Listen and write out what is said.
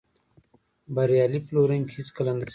بریالی پلورونکی هیڅکله نه تسلیمېږي.